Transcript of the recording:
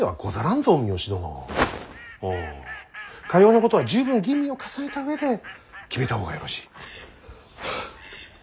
うんかようなことは十分吟味を重ねた上で決めた方がよろしい。